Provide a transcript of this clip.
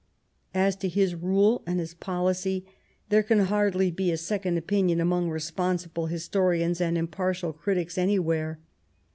As to his rule and his policy there can hardly be a second opinion among responsible historians and impartial critics any where.